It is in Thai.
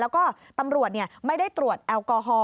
แล้วก็ตำรวจไม่ได้ตรวจแอลกอฮอล